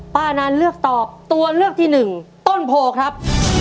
นานเลือกตอบตัวเลือกที่หนึ่งต้นโพครับ